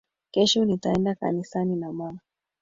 Kesho nitaenda kanisa na mama